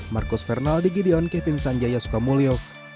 marcus fernaldi gideon kevin sanjaya sukamulyo